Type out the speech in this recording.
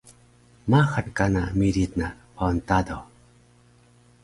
Maxal kana miric na Pawan Tado